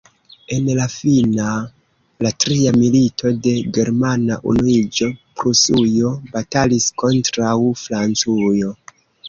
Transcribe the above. En la fina, la tria milito de germana unuiĝo, Prusujo batalis kontraŭ Francujo.